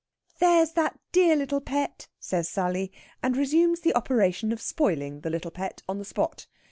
"There's that dear little pet," says Sally; and resumes the operation of spoiling the little pet on the spot.